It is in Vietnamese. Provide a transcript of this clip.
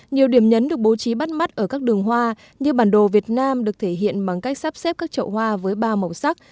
nhiều điểm nhấn được bố trí bắt mắt ở các đường hoa như bản đồ việt nam được thể hiện bằng cách sắp xếp các chậu hoa với ba màu sắc